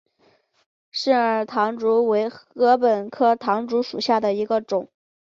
肾耳唐竹为禾本科唐竹属下的一个种。